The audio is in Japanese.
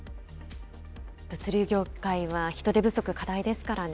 物流業界は人手不足課題ですからね。